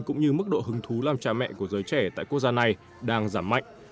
cũng như mức độ hứng thú làm cha mẹ của giới trẻ tại quốc gia này đang giảm mạnh